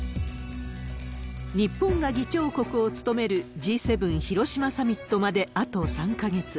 日本が議長国を務めるＧ７広島サミットまで、あと３か月。